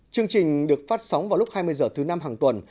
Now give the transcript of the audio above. chương trình được phát sóng vào lúc hai mươi h thứ năm hàng tuần